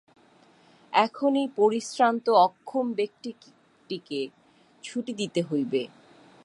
এখন এই পরিশ্রান্ত অক্ষম ব্যক্তিটিকে ছুটি দিতে হইবে।